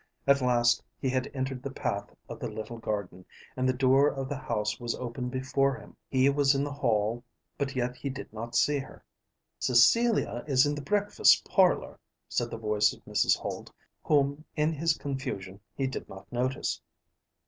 At last he had entered the path of the little garden, and the door of the house was open before him. He ventured to look, but did not see her. He was in the hall, but yet he did not see her. "Cecilia is in the breakfast parlour," said the voice of Mrs. Holt, whom in his confusion he did not notice.